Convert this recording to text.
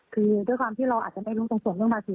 คือด้วยความที่เราอาจจะไม่รู้ตรงส่วนเรื่องภาษี